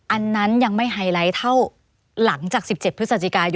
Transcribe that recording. อันนั้นยังไม่ไฮไลท์เท่าหลังจาก๑๗พฤศจิกายน